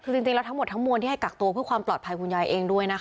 คือจริงแล้วทั้งหมดทั้งมวลที่ให้กักตัวเพื่อความปลอดภัยคุณยายเองด้วยนะคะ